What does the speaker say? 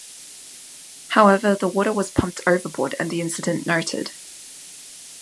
However, the water was pumped overboard and the incident noted.